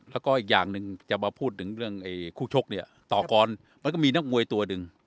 แล้วก็อีกอย่างหนึ่งจะมาพูดถึงเรื่องคู่ชกเนี่ยต่อกรมันก็มีนักมวยตัวหนึ่ง